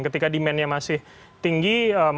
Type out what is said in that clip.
ketika demandnya masih tinggi